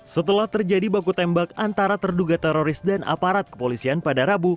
setelah terjadi baku tembak antara terduga teroris dan aparat kepolisian pada rabu